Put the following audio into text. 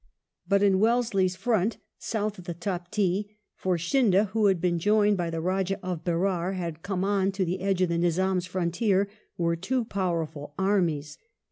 But in Wellesley's fronts south of the Taptee — for Scindia, who had been joined by the Rajah of Berar, had come on to the edge of the Nizam's frontier — were two powerful armies.